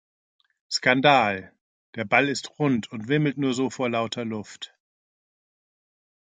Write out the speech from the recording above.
Skandal: Der Ball ist rund und wimmelt nur so vor lauter Luft!